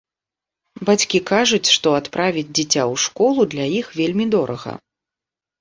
Бацькі кажуць, што адправіць дзіця ў школу для іх вельмі дорага.